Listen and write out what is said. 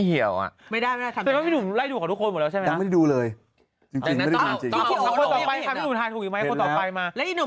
เกียร์ที่ลำพอดส์โอ้พี่หนุ่มเช่น